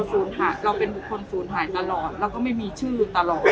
คือเราเป็นผู้คนสูญหายตลอดเราก็ไม่มีชื่อตลอด